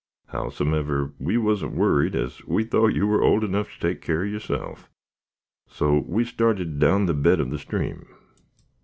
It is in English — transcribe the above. Howsumever, we wasn't worried, as we thought you were old enough to take care of yourself, so we started down the bed of the stream.